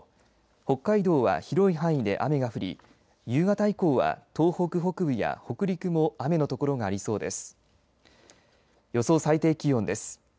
北海道は広い範囲で雨が降り夕方以降は東北北部や北陸も雨の所がありそうです。